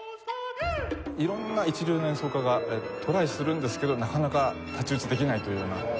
色んな一流の演奏家がトライするんですけどなかなか太刀打ちできないというような。